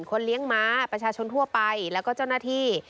คนเลี้ยงม้าประชาชนทั่วไปแล้วก็เจ้าหน้าที่